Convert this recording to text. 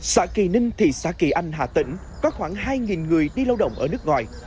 xã kỳ ninh thị xã kỳ anh hà tĩnh có khoảng hai người đi lao động ở nước ngoài